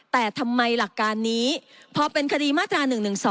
แต่ทำไมหลักการนี้พอเป็นคดีมาตรา๑๑๒